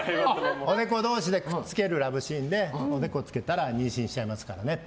おでこ同士でくっつけるラブシーンでおでこつけたら妊娠しちゃいますからねって。